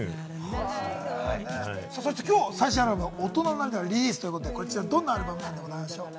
そしてきょう最新アルバム『大人の涙』がリリースということでどんなアルバムですか？